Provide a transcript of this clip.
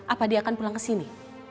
apa dia akan pulang kesini